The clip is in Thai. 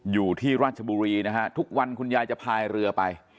อยู่ที่ราชบุรีนะฮะทุกวันคุณยายจะพายเรือไป